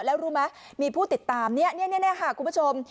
แล้วรู้ไหมมีผู้ติดตามเนี่ยค่ะคุณผู้ชม